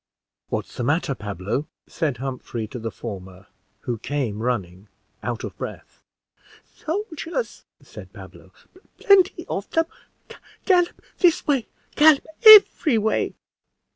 "What's the matter, Pablo?" said Humphrey to the former, who came running, out of breath. "Soldiers," said Pablo, "plenty of them, gallop this way gallop every way."